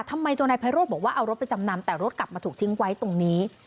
ทำไมตัวนายไพโรธบอกว่าเอารถไปจำนำแต่รถกลับมาถูกทิ้งไว้ตรงนี้